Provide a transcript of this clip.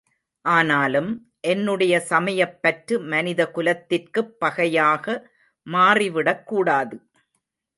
ஆனாலும், என்னுடைய சமயப்பற்று மனித குலத்திற்குப் பகையாக மாறிவிடக்கூடாது.